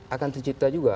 akan tercipta juga